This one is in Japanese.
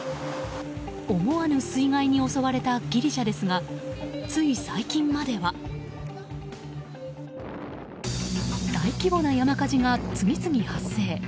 思わぬ水害に襲われたギリシャですがつい最近までは大規模な山火事が次々発生。